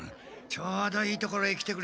ちょうどいいところへ来てくれた。